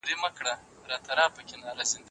د کلمې شریفې تکرار وکړئ.